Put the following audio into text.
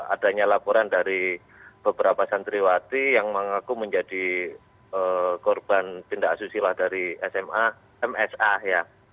adanya laporan dari beberapa santriwati yang mengaku menjadi korban tindak asusila dari sma msa ya